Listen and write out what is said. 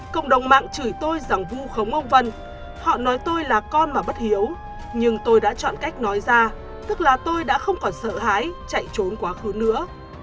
cộng đồng mạng chửi tôi rằng vu khống ông vân họ nói tôi là con mà bất hiếu nhưng tôi đã chọn cách nói ra tức là tôi đã không còn sợ hãi chạy trốn quá khứ nữa